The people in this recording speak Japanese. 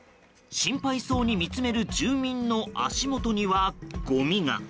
心配そうに見つめる住民の足元には、ごみが。